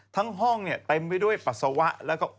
ทั้งห้องเต็มไปด้วยปัสสาวะ